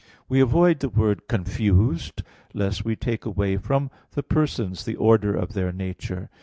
We avoid the word "confused," lest we take away from the Persons the order of their nature.